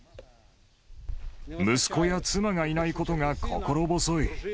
息子や妻がいないことが心細い。